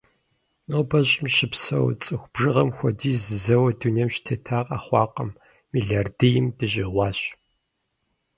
Нобэ Щӏым щыпсэу цӏыху бжыгъэм хуэдиз зэуэ дунейм щытета къэхъуакъым – мелардийм дыщӏигъуащ.